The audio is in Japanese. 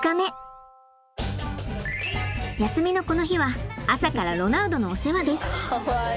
休みのこの日は朝からロナウドのお世話です。